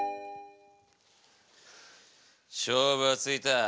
勝負はついた。